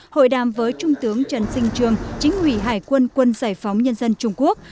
hội đàm với trung tướng trần sinh trường chính ủy hải quân quân giải phóng nhân dân trung quốc